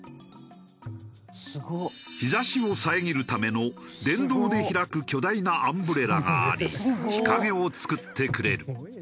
日差しを遮るための電動で開く巨大なアンブレラがあり日陰を作ってくれる。